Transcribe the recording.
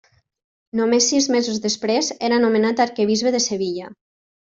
Només sis mesos després era nomenat arquebisbe de Sevilla.